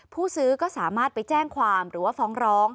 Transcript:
ผู้ซื้อก็สามารถไปแจ้งความหรือว่าฟ้องร้อง